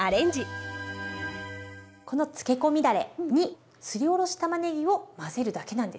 このつけ込みだれにすりおろしたまねぎを混ぜるだけなんです。